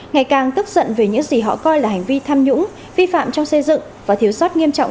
ngày càng tức giận về những gì họ coi là hành vi tham nhũng vi phạm trong xây dựng và thiếu sót nghiêm trọng